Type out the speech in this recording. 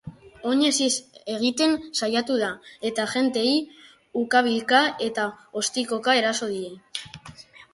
Oinez ihes egiten saiatu da, eta agenteei ukabilka eta ostikoka eraso die.